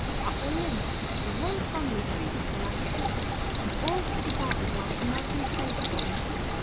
At Berlin, the royal family treated her like a sister, and all stood about her while she knelt and prayed for them.